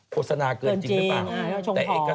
โฆษณาเกินจริงหรือเปล่า